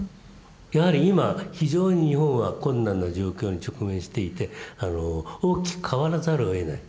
やはり今非常に日本は困難な状況に直面していて大きく変わらざるをえない。